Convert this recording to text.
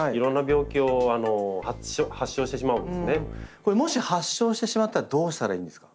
これもし発症してしまったらどうしたらいいんですか？